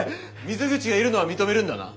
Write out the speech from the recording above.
水口がいるのは認めるんだな？